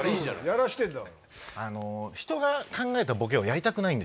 やらしてんだから。